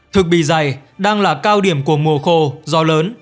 thực bì dày đang là cao điểm của mùa khô gió lớn